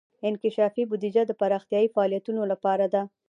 انکشافي بودیجه د پراختیايي فعالیتونو لپاره ده.